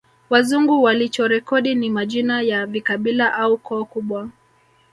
Wazungu walichorekodi ni majina ya vikabila au koo kubwa